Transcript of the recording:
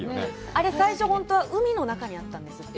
あれ最初、本当は海の中にあったんですって。